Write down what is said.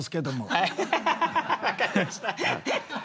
分かりました。